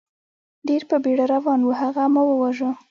ډېر په بېړه روان و، هغه ما و واژه.